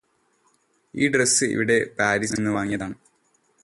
ഈ ഡ്രസ്സ് ഇവിടെ പാരിസിൽ നിന്ന് വാങ്ങിയതാണ്